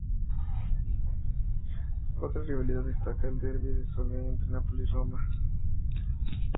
Otra rivalidad destacada es el Derby del Sole, entre Napoli y Roma.